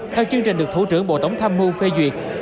theo chương trình được thủ trưởng bộ tổng tham mưu phê duyệt